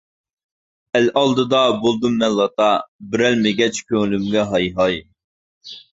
ئەل ئالدىدا بولدۇم مەن لاتا، بېرەلمىگەچ كۆڭلۈمگە ھاي-ھاي.